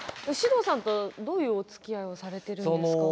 獅童さんとはどういうおつきあいされてるんですか。